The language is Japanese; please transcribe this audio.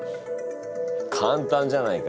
簡単じゃないか。